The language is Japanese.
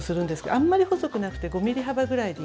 あんまり細くなくて５ｍｍ幅ぐらいでいいですね。